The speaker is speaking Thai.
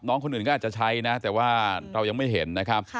น้องคนอื่นก็อาจจะใช้นะแต่ว่าเรายังไม่เห็นนะครับ